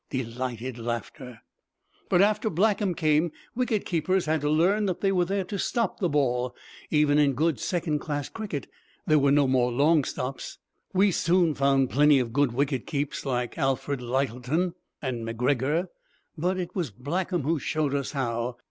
Delighted laughter. "But after Blackham came wicket keepers had to learn that they were there to stop the ball. Even in good second class cricket there were no more long stops. We soon found plenty of good wicket keeps like Alfred Lyttelton and MacGregor but it was Blackham who showed us how.